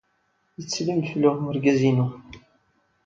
Yettsellim-d fell-awen wergaz-inu.